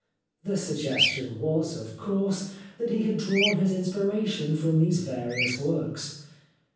The suggestion was, of course, that he had drawn his inspiration from these various works.